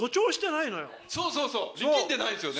そうそうそう！